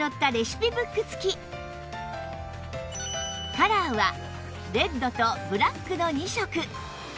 カラーはレッドとブラックの２色